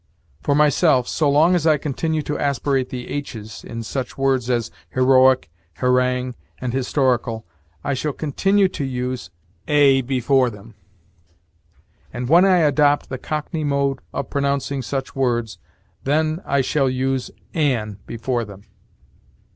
For myself, so long as I continue to aspirate the h's in such words as heroic, harangue, and historical, I shall continue to use a before them; and when I adopt the Cockney mode of pronouncing such words, then I shall use an before them.